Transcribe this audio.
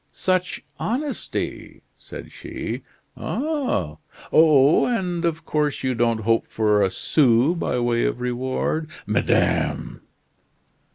"Such honesty!" said she. "Oh, oh! And of course you don't hope for a sou by way of reward " "Madame!"